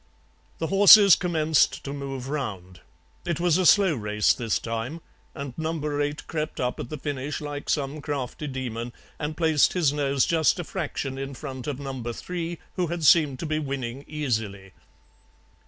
The horses commenced to move round, it was a slow race this time, and number eight crept up at the finish like some crafty demon and placed his nose just a fraction in front of number three, who had seemed to be winning easily.